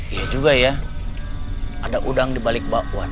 iya juga yah ada udang dibalik bakwan